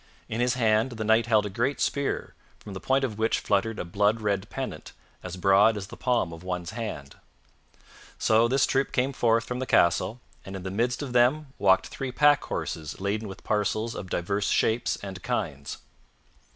In his hand the Knight held a great spear, from the point of which fluttered a blood red pennant as broad as the palm of one's hand. So this troop came forth from the castle, and in the midst of them walked three pack horses laden with parcels of divers shapes and kinds.